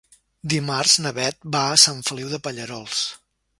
Dimarts na Beth va a Sant Feliu de Pallerols.